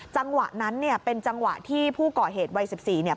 จังหวะนั้นเป็นจังหวะที่ผู้ก่อเหตุวัย๑๔